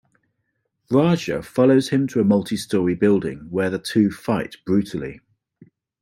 Raja follows him to a multi-story building where the two fight brutally.